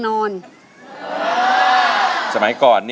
น้องตาชอบให้แม่ร้องเพลง๑๙